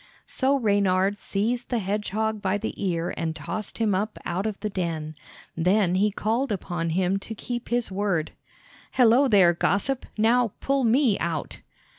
So Reynard seized the hedgehog by the ear and tossed him up out of the den. Then he called upon him to keep his word. "Hello, there, Gossip, now pull me out!"